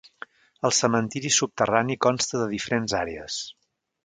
El cementiri subterrani consta de diferents àrees.